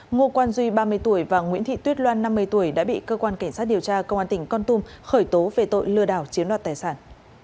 ngô quan duy ba mươi tuổi và nguyễn thị tuyết loan năm mươi tuổi đã bị cơ quan cảnh sát điều tra công an tỉnh con tum khởi tố về tội lừa đảo chiếm đoạt tài sản